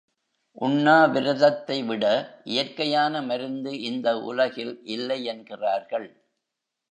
உண்ணா விரதத்தை விட இயற்கையான மருந்து இந்த உலகில் இல்லையென்கிறார்கள்.